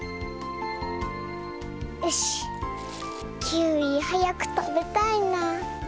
キウイはやくたべたいな。